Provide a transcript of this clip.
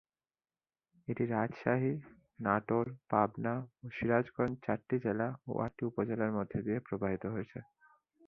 এটি রাজশাহী, নাটোর, পাবনা ও সিরাজগঞ্জ চারটি জেলা ও আটটি উপজেলার মধ্যদিয়ে প্রবাহিত হয়েছে।